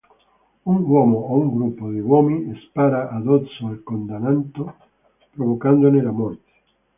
Un uomo, o un gruppo di uomini spara addosso al condannato provocandone la morte.